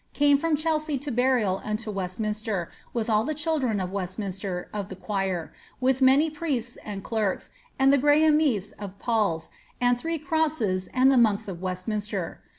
came from Chelsea to burial unto tl^estminster, with all the children of Westminster ^of the choir), with many priests, and clerks, and the gray amice ox Paul's, and three crosses, and the monks of Westminster.